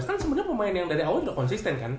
kan sebenernya pemain yang dari awal juga konsisten kan